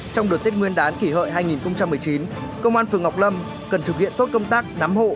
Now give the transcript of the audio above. trong đợt tết nguyên đán kỷ hợi hai nghìn một mươi chín công an phường ngọc lâm cần thực hiện tốt công tác nắm hộ